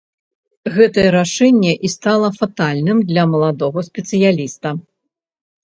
Гэтае рашэнне і стала фатальным для маладога спецыяліста.